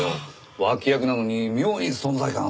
脇役なのに妙に存在感あってさ。